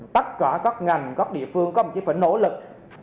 tất cả các ngành các địa phương có một chiếc vỉnh nỗ lực